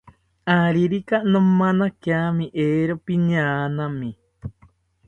Aririka nomanakiami, eero piñaanami